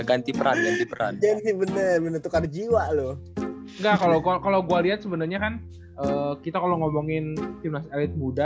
ganti peran peran bener bener tukar jiwa lu kalau gua lihat sebenarnya kan kita kalau ngomongin muda